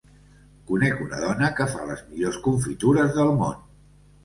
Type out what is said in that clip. Conec una dona que fa les millors confitures del món.